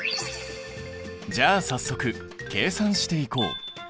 じゃあ早速計算していこう。